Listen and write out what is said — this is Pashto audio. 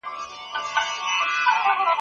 د خطاطۍ تمرین د ذهن د تمرکز لپاره ښه دی.